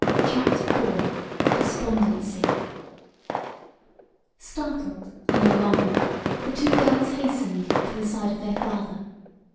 CHAPTER IV DESPONDENCY Startled and alarmed the two girls hastened to the side of their father.